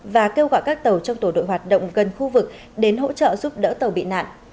và kêu gọi các tàu trong tổ đội hoạt động gần khu vực đến hỗ trợ giúp đỡ tàu bị nạn